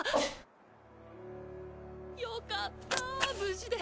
よかった無事で。